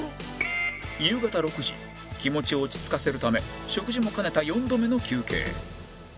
夕方６時気持ちを落ち着かせるため食事も兼ねた４度目の休憩